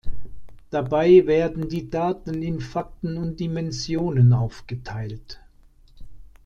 Dabei werden die Daten in Fakten und Dimensionen aufgeteilt.